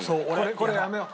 これやめよう。